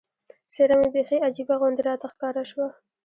څېره مې بیخي عجیبه غوندې راته ښکاره شوه.